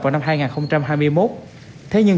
vào năm hai nghìn hai mươi một thế nhưng